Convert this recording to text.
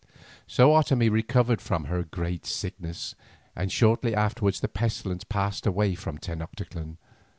So Otomie recovered from her great sickness, and shortly afterwards the pestilence passed away from Tenoctitlan.